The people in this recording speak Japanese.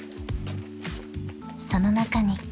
［その中に］